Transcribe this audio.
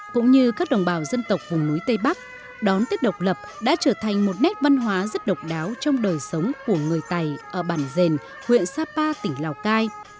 cũng như các đồng bào dân tộc vùng núi tây bắc đón tết độc lập đã trở thành một nét văn hóa rất độc đáo trong đời sống của người tày ở bản dền huyện sapa tỉnh lào cai